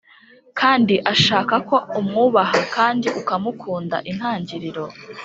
kandi ashaka ko umwubaha kandi ukamukunda Intangiriro